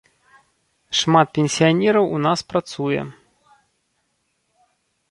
Шмат пенсіянераў у нас працуе.